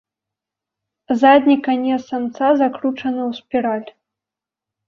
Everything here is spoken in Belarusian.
Задні канец самца закручаны ў спіраль.